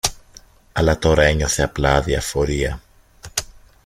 αλλά τώρα ένιωθε απλά αδιαφορία